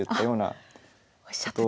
あっおっしゃってた！